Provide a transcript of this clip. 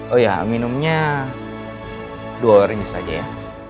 oh ya minumnya dua orang saja ya